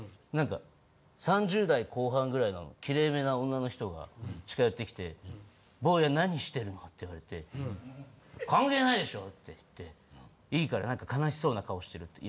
なんか３０代後半ぐらいのキレイめな女の人が近寄ってきて「坊や何してるの？」って言われて「関係ないでしょ！」って言って「いいからなんか悲しそうな顔してる」。